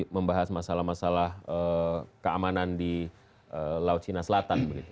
membahas masalah masalah keamanan di laut cina selatan